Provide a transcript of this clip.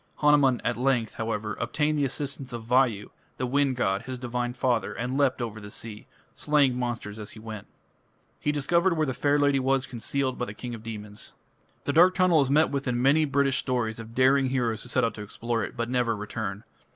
Hanuman at length, however, obtained the assistance of Vayu, the wind god, his divine father, and leapt over the sea, slaying monsters as he went. He discovered where the fair lady was concealed by the king of demons. The dark tunnel is met with in many British stories of daring heroes who set out to explore it, but never return.